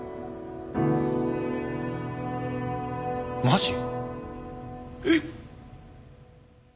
マジ？